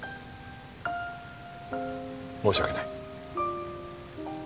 申し訳ない。